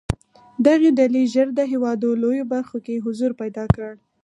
دغې ډلې ژر د هېواد لویو برخو کې حضور پیدا کړ.